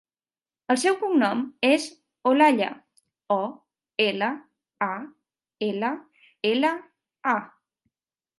El seu cognom és Olalla: o, ela, a, ela, ela, a.